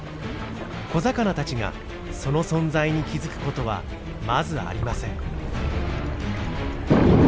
小魚たちがその存在に気付く事はまずありません。